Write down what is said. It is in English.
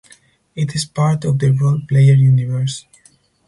It is part of the Roll Player universe.